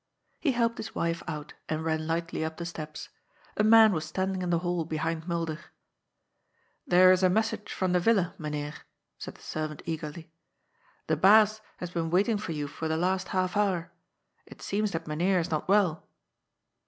He helped his wife out and ran lightly up the steps. A man was standing in the hall behind Mulder. ^^ There is a message from the Villa, Mynheer," said the servant eagerly. The Baas has been waiting for you for the last half hour. It seems that Mynheer is not well."